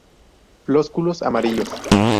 Flósculos amarillos.